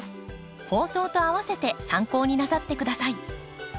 放送と併せて参考になさってください。